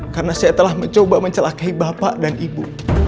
karena saya telah mencoba mencelakai bapak dan ibu